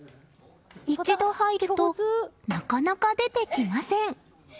一度入るとなかなか出てきません。